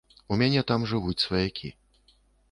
У мяне там жывуць сваякі.